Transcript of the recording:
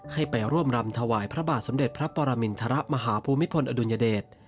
ไปร่วมรำถวายพระบาทสมเด็จพระปรมินทรมาฮภูมิพลอดุลยเดช